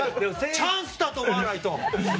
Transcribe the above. チャンスだと思わないと！